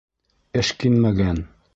Эшкинмәгән!